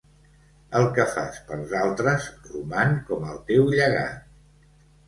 El que fas pels altres roman com el teu llegat.